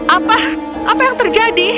apa apa yang terjadi